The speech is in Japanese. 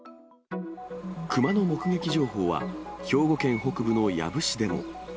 クマの目撃情報は、兵庫県北部の養父市でも。